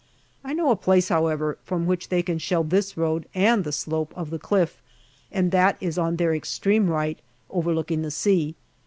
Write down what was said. I know a place, however, from which they can shell this road and the slope of the cliff , and that is on their extreme right overlooking the sea.